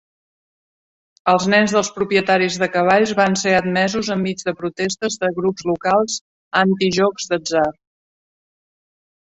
Els nens dels propietaris de cavalls van ser admesos enmig de protestes de grups locals anti-jocs d'atzar.